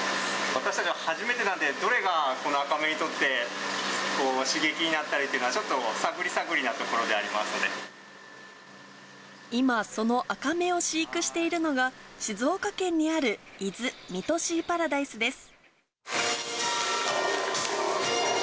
私たちも初めてなので、どれがこのアカメにとって刺激になったりっていうのは、ちょっと今、そのアカメを飼育しているのが、静岡県にある伊豆・三津シーパラダイスです。